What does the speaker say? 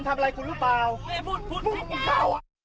ทำอะไรคุณหรือเปล่า